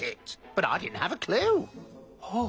はあ。